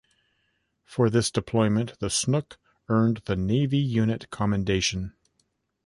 For this deployment the "Snook" earned the Navy Unit Commendation.